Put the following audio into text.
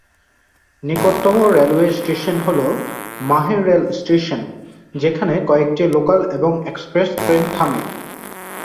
নিকটতম railway station হ'ল Mahe rail station, যেখানে কয়েকটি লোকাল এবং এক্সপ্রেস ট্রেন থামে।